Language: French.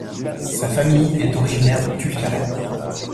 Sa famille est originaire de Tulkarem.